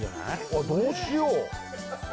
あっどうしよう？